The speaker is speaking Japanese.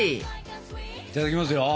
いただきますよ。